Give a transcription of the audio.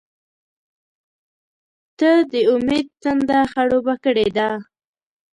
• ته د امید تنده خړوبه کړې ده.